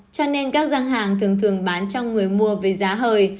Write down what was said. cho nên các giang hàng thường thường bán cho người mua với giá hời